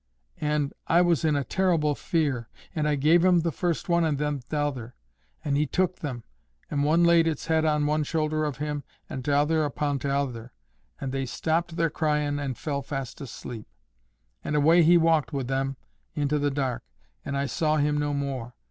And I was in a terrible fear. And I gave him first one and then the t'other, and he took them, and one laid its head on one shoulder of him, and t'other upon t'other, and they stopped their cryin', and fell fast asleep; and away he walked wi' them into the dark, and I saw him no more.